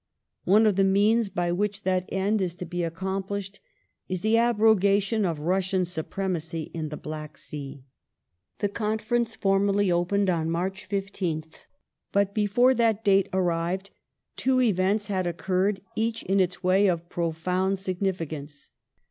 One of the means by which that end is to be accomplished is the abrogation of Russian supremacy in the Black Sea." The Conference formally opened on March 15th, but before that date arrived two events had occurred, each, in its way, of profound significance.